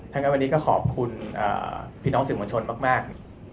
ทั้งนั้นวันนี้ก็ขอบคุณพี่น้องสิงหวังชนมาก